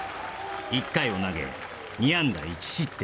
１回を投げ２安打１失点